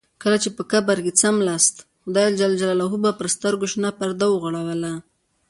کله چې په قبر کې څملاست خدای جل جلاله پر سترګو شنه پرده وغوړوله.